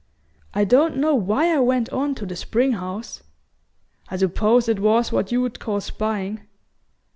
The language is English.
I don't know why I went on to the spring house; I suppose it was what you'd call spying.